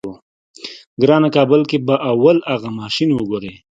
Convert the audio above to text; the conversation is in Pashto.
ګرانه کابل کې به اول اغه ماشين وګورې.